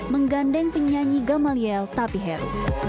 menggandeng penyanyi gamaliel tapihel